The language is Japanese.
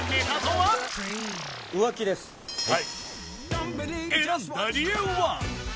はい選んだ理由は？